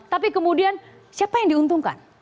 tapi kemudian siapa yang diuntungkan